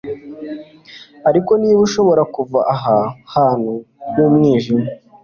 Ariko niba ushobora kuva aha hantu h'umwijima